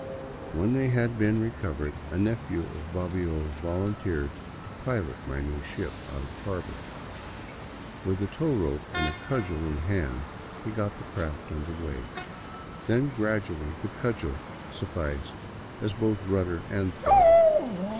When they had been recovered, a nephew of Bobbio volunteered to pilot my new ship out of harbor. With the tow rope and a cudgel in hand he got the craft under way, then gradually the cudgel sufficed both as rudder and throttle.